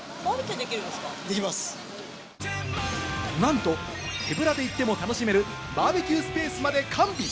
なんと手ぶらで行っても楽しめるバーベキュースペースまで完備。